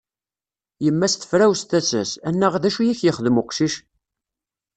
Yemma-s tefrawes tasa-s; annaɣ d acu i ak-yexdem uqcic?